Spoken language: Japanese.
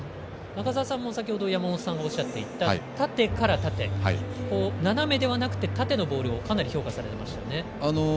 中澤さんも先程山本さんがおっしゃっていた縦から縦斜めではなくて縦のボールをかなり評価されていましたね。